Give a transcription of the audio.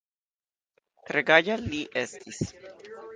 Tre gaja li estis.